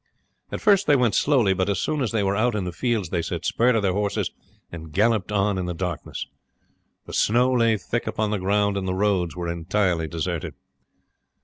At first they went slowly, but as soon as they were out in the fields they set spur to their horses and galloped on in the darkness. The snow lay thick upon the ground, and the roads were entirely deserted.